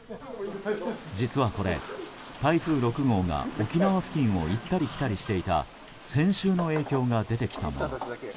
実はこれ、台風６号が沖縄付近を行ったり来たりしていた先週の影響が出てきたもの。